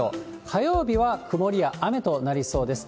火曜日は曇りや雨となりそうです。